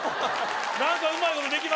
何かうまいことできましたよ